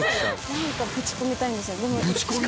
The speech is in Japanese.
何かブチ込みたいんですよ。